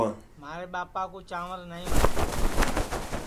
مھارے ٻاپا کُو چانٚور نائی وٹؔے